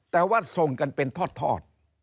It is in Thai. แต่ว่าส่งกันเป็นทอด